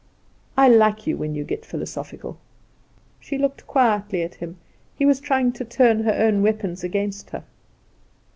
I like you when you get philosophical." She looked quietly at him; he was trying to turn her own weapons against her.